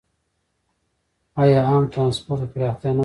آیا عام ټرانسپورټ ته پراختیا نه ورکوي؟